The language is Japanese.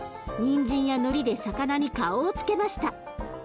にんじんやのりで魚に顔をつけました。